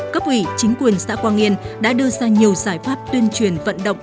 cấp ủy chính quyền xã quang yên đã đưa ra nhiều giải pháp tuyên truyền vận động